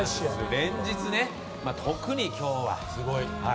連日で、特に今日はね。